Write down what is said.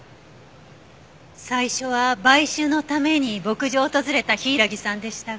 最初は買収のために牧場を訪れた柊さんでしたが。